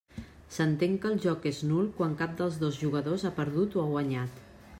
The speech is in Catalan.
S'entén que el joc és nul quan cap dels dos jugadors ha perdut o ha guanyat.